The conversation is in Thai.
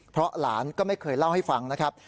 เพราะหลานก็ไม่เคยเล่าให้ฟังนะครับ